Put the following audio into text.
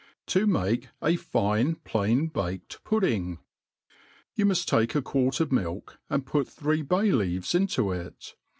TV nuiig a fine plain baked Pudding* YOU muft take a quart of milk, and put three bay leavey into it.